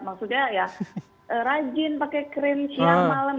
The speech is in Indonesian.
maksudnya ya rajin pakai krim siang malam